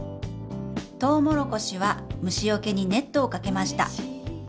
トウモロコシは虫よけにネットをかけました！